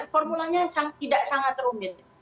formulanya tidak sangat rumit